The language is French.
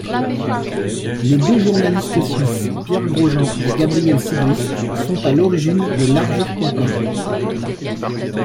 Les deux journalistes suisses Pierre Grosjean et Gabriel Sigrist sont à l'origine de Largeur.com.